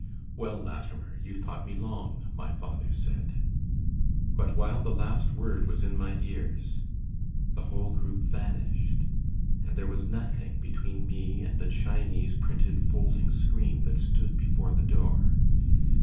"Well, Latimer, you thought me long," my father said ... But while the last word was in my ears, the whole group vanished, and there was nothing between me and the Chinese printed folding screen that stood before the door.